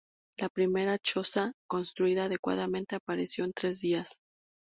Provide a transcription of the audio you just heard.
La primera choza construida adecuadamente apareció en tres días.